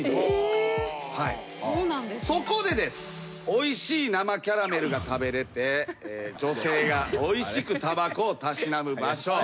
おいしい生キャラメルが食べれて女性がおいしくたばこをたしなむ場所。